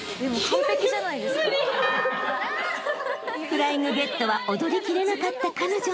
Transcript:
［『フライングゲット』は踊りきれなかった彼女］